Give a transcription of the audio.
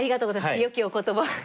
よきお言葉。